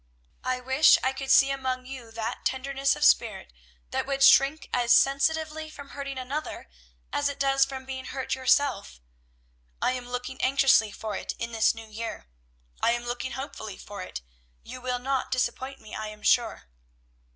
I wish I could see among you that tenderness of spirit that would shrink as sensitively from hurting another, as it does from being hurt yourselves. I am looking anxiously for it in this new year. I am looking hopefully for it; you will not disappoint me I am sure."